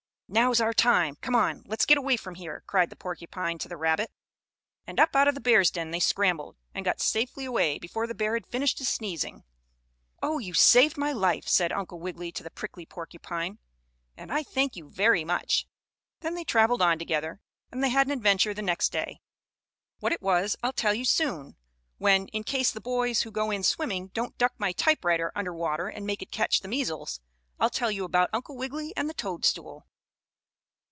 "Now's our time! Come on, let's get away from here!" cried the porcupine to the rabbit, and up out of the bear's den they scrambled, and got safely away before the bear had finished his sneezing. "Oh, you saved my life," said Uncle Wiggily to the prickly porcupine, "and I thank you very much." Then they traveled on together, and they had an adventure the next day. What it was I'll tell you soon, when, in case the boys who go in swimming don't duck my typewriter under water and make it catch the measles, I'll tell you about Uncle Wiggily and the toadstool.